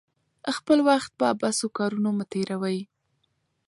خپل وخت په عبث کارونو مه تیروئ.